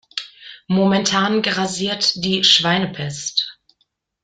Momentan grassiert die Schweinepest.